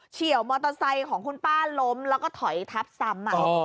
ี่ยวมอเตอร์ไซค์ของคุณป้าล้มแล้วก็ถอยทับซ้ำ